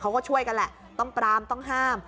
เขาก็ช่วยกันแหละต้องปรามต้องห้าม